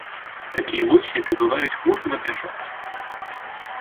Такія водсветы бываюць хмурным адвячоркам.